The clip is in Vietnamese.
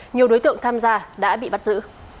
nhiều đối tượng tham gia đã bị bắt giữ